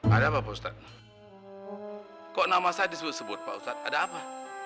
ada pak ustadz kok nama saya disebut sebut pak ustadz ada apa